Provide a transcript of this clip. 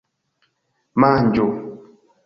Manĝu!!